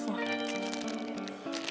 simpan semua catatan kalian